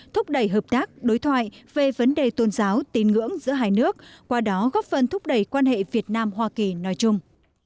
thúc đẩy hợp tác đối thoại về vấn đề tôn giáo tín ngưỡng giữa hai nước qua đó góp phần thúc đẩy quan hệ việt nam hoa kỳ nói chung